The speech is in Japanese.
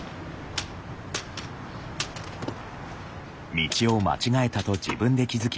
道を間違えたと自分で気付き